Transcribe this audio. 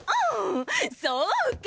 そうかい。